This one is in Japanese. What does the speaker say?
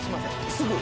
すぐ。